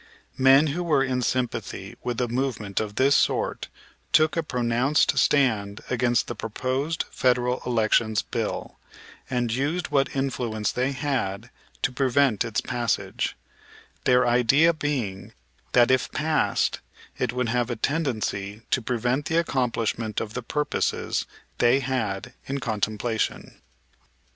Men who were in sympathy with a movement of this sort took a pronounced stand against the proposed Federal Elections Bill, and used what influence they had to prevent its passage; their idea being that, if passed, it would have a tendency to prevent the accomplishment of the purposes they had in contemplation.